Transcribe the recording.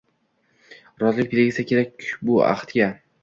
Rozilik belgisi kerak bu ahdga.